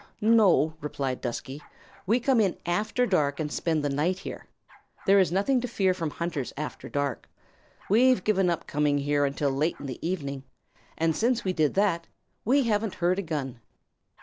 "No," replied Dusky. "We come in after dark and spend the night here. There is nothing to fear from hunters after dark. We've given up coming here until late in the evening. And since we did that, we haven't heard a gun."